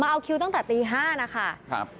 เอาคิวตั้งแต่ตี๕นะคะ